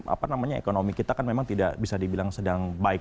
apa namanya ekonomi kita kan memang tidak bisa dibilang sedang baik